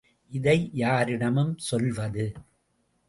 இதை யாரிடம் சொல்வது?